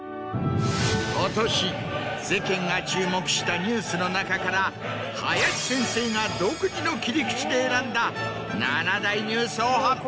今年世間が注目したニュースの中から林先生が独自の切り口で選んだ７大ニュースを発表。